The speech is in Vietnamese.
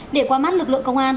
để qua mắt lực lượng công an